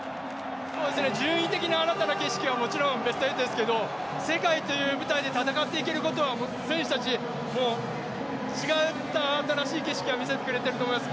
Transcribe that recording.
順位的に新たな景色はもちろんベスト８ですけれども世界という舞台で戦っていけることは選手たち、違った新しい景色を見せてくれていると思います。